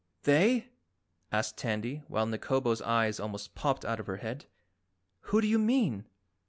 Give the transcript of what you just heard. "They?" asked Tandy while Nikobo's eyes almost popped out of her head, "Who do you mean?"